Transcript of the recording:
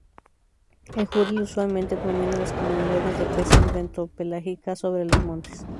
El jurel usualmente domina las comunidades de peces bento-pelágicas sobre los montes.